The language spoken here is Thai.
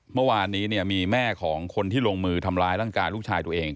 เมื่อวานนี้มีแม่ของคนที่ลงมือทำร้ายร่างกายลูกชายตัวเอง